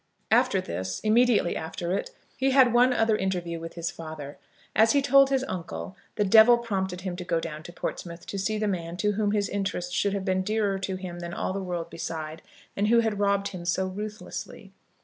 After this, immediately after it, he had one other interview with his father. As he told his uncle, the devil prompted him to go down to Portsmouth to see the man to whom his interests should have been dearer than to all the world beside, and who had robbed him so ruthlessly.